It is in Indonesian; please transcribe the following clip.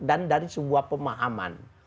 dan dari sebuah pemahaman